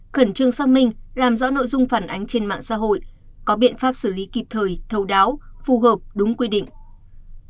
khẩn trương xác minh làm rõ nội dung phản ánh trên mạng xã hội có biện pháp xử lý kịp thời thâu đáo phù hợp đúng quy định